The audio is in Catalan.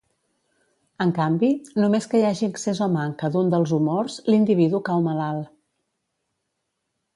En canvi, només que hi hagi excés o manca d'un dels humors, l'individu cau malalt.